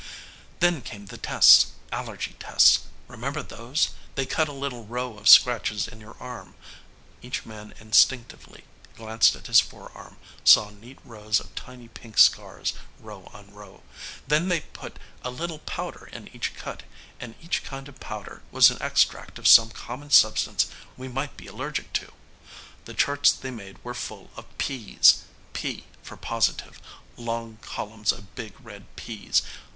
"Then came the tests, allergy tests. Remember those? They'd cut a little row of scratches in your arm ..." Each man instinctively glanced at his forearm, saw neat rows of tiny pink scars, row on row. "Then they'd put a little powder in each cut and each kind of powder was an extract of some common substance we might be allergic to. The charts they made were full of 'P's, P for positive, long columns of big, red 'P's.